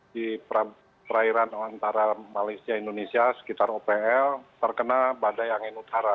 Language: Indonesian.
di perairan antara malaysia indonesia sekitar opl terkena badai angin utara